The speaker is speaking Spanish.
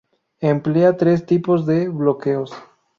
Emplea tres tipos de Bloqueos.